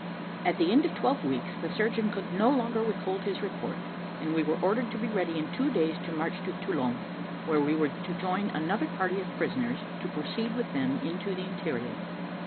At the end of twelve weeks the surgeon could no longer withhold his report, and we were ordered to be ready in two days to march to Toulon, where we were to join another party of prisoners to proceed with them into the interior.